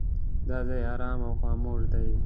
دا ځای ارام او خاموش دی.